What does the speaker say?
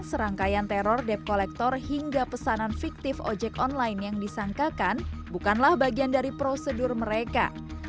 serangkaian teror debt collector hingga pesanan fiktif ojek online yang disangkakan bukanlah bagian dari prosedur mereka